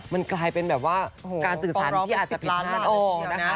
มันกลายเป็นแบบว่าการสื่อสรรค์ที่อาจจะเป็น๕ล้านค่ะ